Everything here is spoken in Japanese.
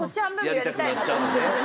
やりたくなっちゃうのね。